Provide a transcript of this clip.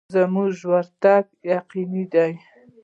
زموږ ورتګ یقیني دی.